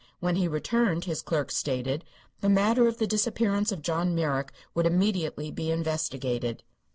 When he returned, his clerk stated, the matter of the disappearance of John Merrick would immediately be investigated.